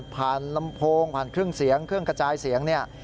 ลำโพงผ่านเครื่องเสียงเครื่องกระจายเสียงเนี่ย